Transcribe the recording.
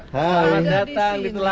selamat datang di telaga